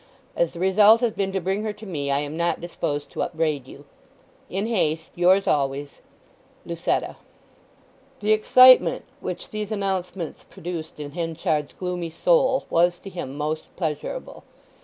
As the result has been to bring her to me I am not disposed to upbraid you.—In haste, yours always, "LUCETTA." The excitement which these announcements produced in Henchard's gloomy soul was to him most pleasurable.